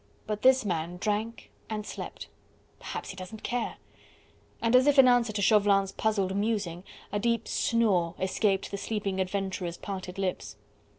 But this man drank and slept. "Perhaps he doesn't care!" And as if in answer to Chauvelin's puzzled musing a deep snore escaped the sleeping adventurer's parted lips.